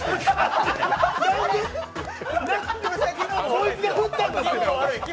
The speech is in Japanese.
こいつが振ったんです。